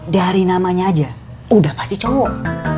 dari namanya aja udah kasih cowok